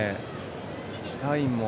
ラインも